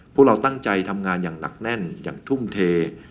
พวกเราตั้งใจทำงานอย่างหนักแน่นอย่างทุ่มเท